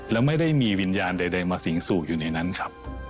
แล้วไม่ได้มีวิญญาณใดมาสิงสูบอยู่ในนั้นครับ